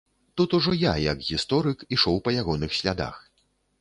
Тут ужо я, як гісторык, ішоў па ягоных слядах.